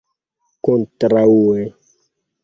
kontraŭe